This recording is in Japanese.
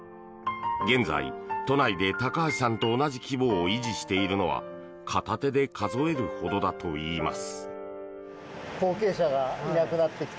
現在、都内で高橋さんと同じ規模を維持しているのは片手で数えるほどだといいます。